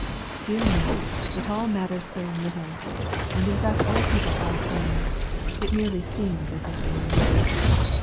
"Dear me! it all matters so little, and in fact all people are kind; it merely seems as if they were not.